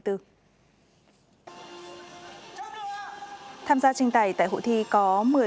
tham gia trình tài tại hội thi có